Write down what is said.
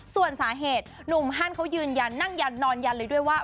ส่วนสาเหตุหนุ่มฮันเขายืนยันนั่งยันนอนยันเลยด้วยว่า